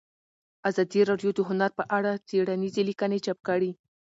ازادي راډیو د هنر په اړه څېړنیزې لیکنې چاپ کړي.